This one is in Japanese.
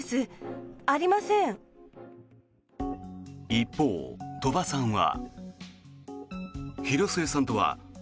一方、鳥羽さんは。